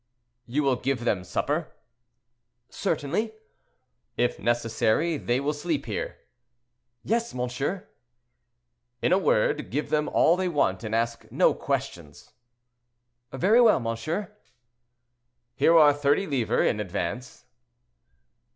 "You will give them supper." "Certainly." "If necessary, they will sleep here." "Yes, monsieur." "In a word, give them all they want, and ask no questions." "Very well, monsieur." "Here are thirty livres in advance."